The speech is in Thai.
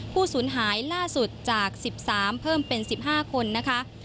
สูญหายล่าสุดจาก๑๓เพิ่มเป็น๑๕คนนะคะ